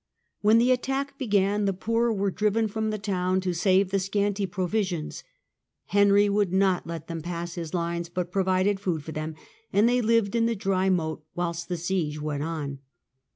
When the attack began the poor were driven from the town to save the scanty provisions. Henry would not let them pass his lines, but provided food for them, and they Hved in the dry moat whilst the siege went on.